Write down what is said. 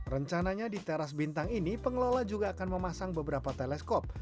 rencananya di teras bintang ini pengelola juga akan memasang beberapa teleskop